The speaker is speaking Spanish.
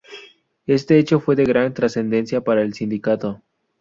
Este hecho fue de gran trascendencia para el sindicato.